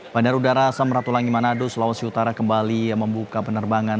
bandara udara samratulangi manado sulawesi utara kembali membuka penerbangan